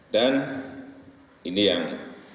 dan ini yang